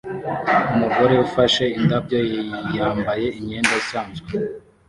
Umugore ufashe indabyo yambaye imyenda isanzwe